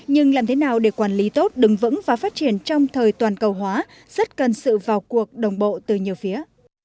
nhưng làm thế nào để quản lý tốt đứng vững và phát triển trong thời toàn cầu hóa rất cần sự vào cuộc đồng bộ từ nhiều phía